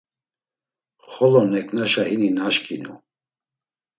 Xolo neǩnaşa hini naşǩinu.